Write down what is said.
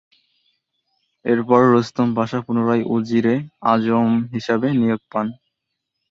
এরপর রুস্তম পাশা পুনরায় উজিরে আজম হিসেবে নিয়োগ পান।